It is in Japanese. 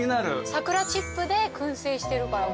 桜チップで燻製してるから。